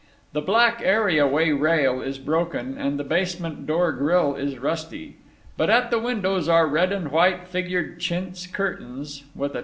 The black areaway rail is broken, and the basement door grill is rusty. But at the windows are red and white figured chintz curtains, with a $2.